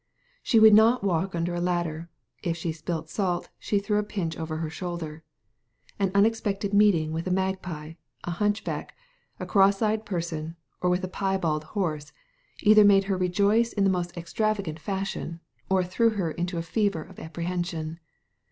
She would not walk under a ladder ; if she spilt salt she threw a pinch over her shoulder; an unexpected meeting with a magpie, a hunchback, a cross eyed person, or with a piebald horse, either made her rejoice in the most extravagant fashion, or threw her into a fever Digitized by Google THE FIVE LANDLADIES 41 of apprehension.